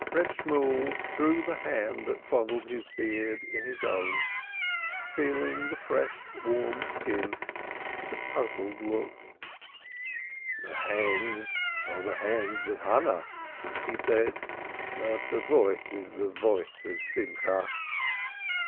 Reb Shemuel drew the hand that fondled his beard in his own, feeling the fresh warm skin with a puzzled look. "The hands are the hands of Hannah," he said, "but the voice is the voice of Simcha."